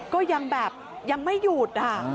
ก็ยังแบบยังไม่หยุด